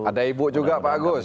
ada ibu juga pak agus